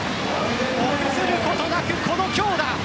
臆することなく、この強打。